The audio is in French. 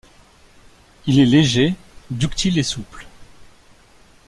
Il est léger, ductile et souple.